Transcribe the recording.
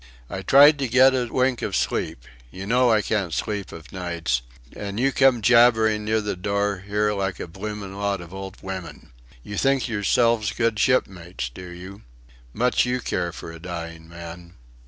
"I tried to get a wink of sleep. You know I can't sleep o' nights. And you come jabbering near the door here like a blooming lot of old women.... You think yourselves good shipmates. Do you?... Much you care for a dying man!"